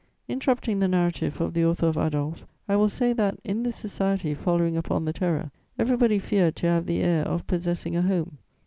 Interrupting the narrative of the author of Adolphe, I will say that, in this society following upon the Terror, everybody feared to have the air of possessing a home.